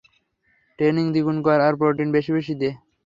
Training দ্বিগুণ কর আর প্রোটিন বেশি বেশি দে।